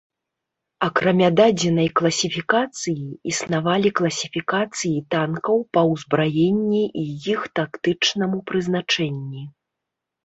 Акрамя дадзенай класіфікацыі існавалі класіфікацыі танкаў па ўзбраенні і іх тактычнаму прызначэнні.